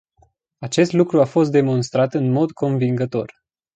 Acest lucru a fost demonstrat în mod convingător.